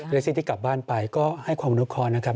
เล็กซี่ที่กลับบ้านไปก็ให้ความมนุษย์คลอนนะครับ